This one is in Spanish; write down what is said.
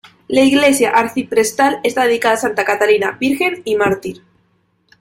La iglesia arciprestal está dedicada a Santa Catalina, virgen y mártir.